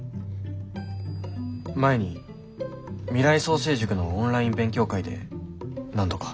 前に未来創成塾のオンライン勉強会で何度か。